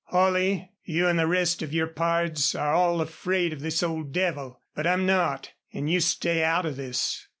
Holley, you an' the rest of your pards are all afraid of this old devil. But I'm not an' you stay out of this."